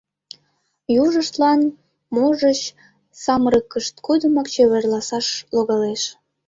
Южыштлан, можыч, самырыкышт годымак чеверласаш логалеш.